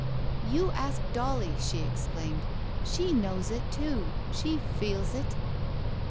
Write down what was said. "You ask Dolly," she exclaimed. "She knows it, too — she feels it."